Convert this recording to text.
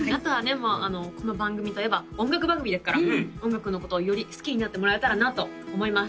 もうこの番組といえば音楽番組ですから音楽のことをより好きになってもらえたらなと思います